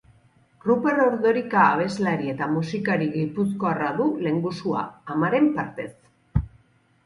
Ruper Ordorika abeslari eta musikari gipuzkoarra du lehengusua, amaren partez.